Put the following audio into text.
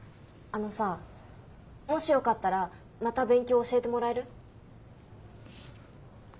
あのさもしよかったらまた勉強教えてもらえる？